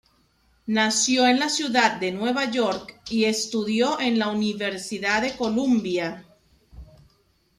Nació en la ciudad de Nueva York y estudió en la Universidad de Columbia.